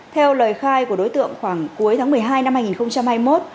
theo lời khai của đối tượng khoảng cuối tháng một mươi hai năm hai nghìn hai mươi một